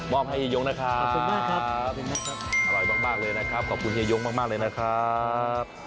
มอบให้เฮียโย้งนะครับอร่อยมากเลยนะครับขอบคุณเฮียโย้งมากเลยนะครับขอบคุณมากครับ